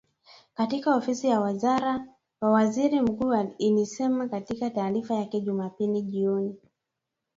katika Ofisi ya Waziri Mkuu ilisema katika taarifa yake Jumapili jioni